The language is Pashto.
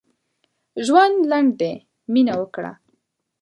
ژوند لنډ دی؛ مينه وکړه.